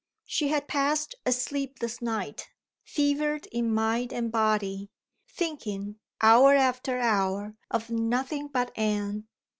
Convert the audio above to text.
She had passed a sleepless night; fevered in mind and body; thinking, hour after hour, of nothing but Anne.